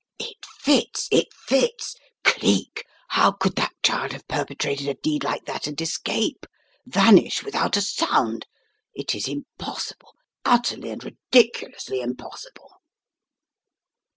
"It fits; it fits. Cleek! how could that child have per petrated a deed like that and escape, vanish without a sound? It is impossible — utterly and ridiculously impossible